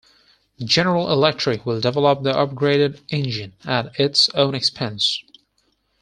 General Electric will develop the upgraded engine at its own expense.